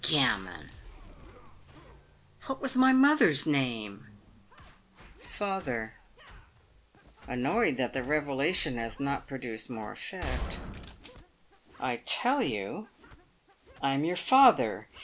Gammon! "What was my mother's name ? Father (annoyed that the revelation has not produced more effect). I tell you I am your father.